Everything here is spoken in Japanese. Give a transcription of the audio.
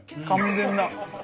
完全な。